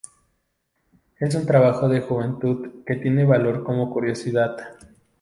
Es un trabajo de juventud que tiene valor como curiosidad.